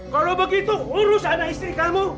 kalau begitu urus anak istri kamu